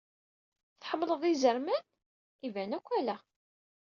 Tḥemmleḍ izerman? Iban akk ala.